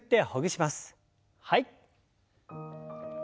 はい。